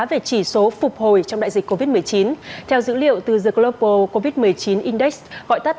về chỉ số phục hồi trong đại dịch covid một mươi chín theo dữ liệu từ dược global covid một mươi chín index gọi tắt